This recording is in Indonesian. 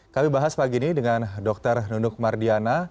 kami bahas pagi ini dengan dr nunuk mardiana